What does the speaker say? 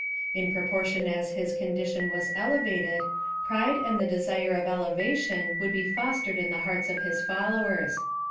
In proportion as his condition was elevated, pride and the desire of elevation would be fostered in the hearts of his followers.